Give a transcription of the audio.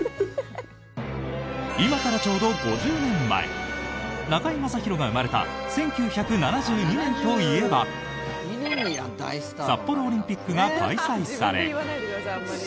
今からちょうど５０年前中居正広が生まれた１９７２年といえば札幌オリンピックが開催され。